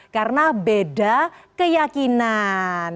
karena beda keyakinan